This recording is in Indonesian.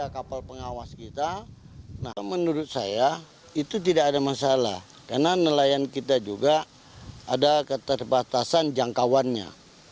kapal pengawas kita nah menurut saya itu tidak ada masalah karena nelayan kita juga ada keterbatasan jangkauannya